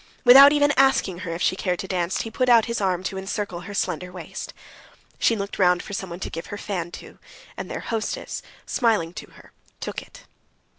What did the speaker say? Without even asking her if she cared to dance, he put out his arm to encircle her slender waist. She looked round for someone to give her fan to, and their hostess, smiling to her, took it.